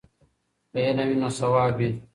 که علم وي نو ثواب وي.